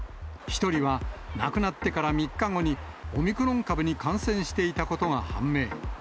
１人は亡くなってから３日後にオミクロン株に感染していたことが判明。